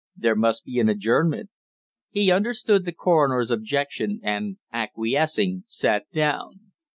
There must be an adjournment." He understood the coroner's objection and, acquiescing, sat down.